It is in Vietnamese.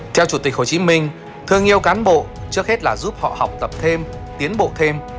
theo chủ tịch hồ chí minh thương yêu cán bộ trước hết là giúp họ học tập thêm tiến bộ thêm